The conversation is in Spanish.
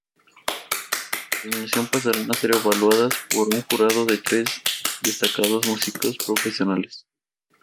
A continuación pasarán a ser evaluadas por un jurado de tres destacados músicos profesionales.